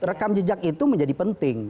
rekam jejak itu menjadi penting